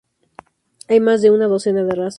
Hay más de una docena de razas.